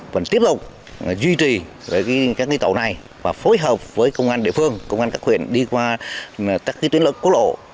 phần tiếp tục duy trì các tổ này và phối hợp với công an địa phương công an các huyện đi qua các tuyến lợi quốc lộ